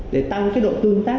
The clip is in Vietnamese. để tăng cái độ tương tác